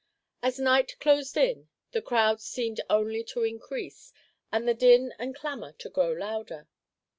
As night closed in, the crowds seemed only to increase, and the din and clamor to grow louder.